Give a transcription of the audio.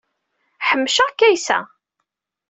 Ḥemceɣ Kaysa.